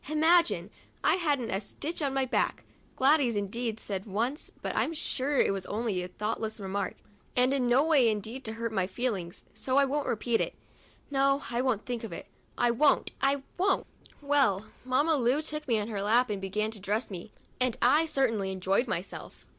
Imagine! I hadn't a stitch to my back. Gladys, indeed, said once — but I'm sure it was only a thoughtless remark, and in no way intended to hurt my feelings, so I won't repeat it. No, I won't think of it; I won't, I won't! Well, Mamma Lu took me on her lap and began to dress me, and I certainly enjoyed myself.